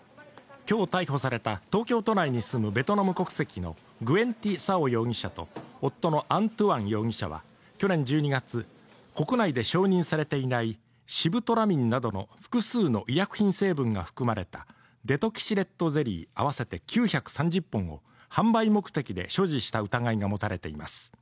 今日逮捕された東京都内に住むベトナム国籍のグエン・ティ・サオ容疑者と夫のアン・トゥアン容疑者は去年１２月国内で承認されていないシブトラミンなどの複数の医薬品成分が含まれたデトキシレットゼリー合わせて９３０本を販売目的で所持した疑いが持たれています